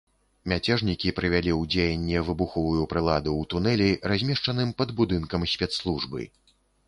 Мяцежнікі прывялі ў дзеянне выбуховую прыладу ў тунэлі, размешчаным пад будынкам спецслужбы.